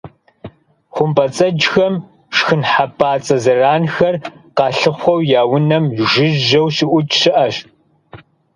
ХъумпӀэцӀэджхэм шхын - хьэпӀацӀэ зэранхэр - къалъыхъуэу я «унэм» жыжьэу щыӀукӀ щыӀэщ.